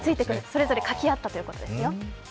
それぞれ書き合ったということですよ。